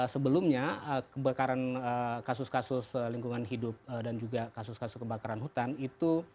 sebelumnya kebakaran kasus kasus lingkungan hidup dan juga kasus kasus kebakaran hutan itu